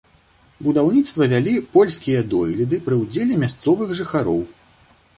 Будаўніцтва вялі польскія дойліды пры ўдзеле мясцовых жыхароў.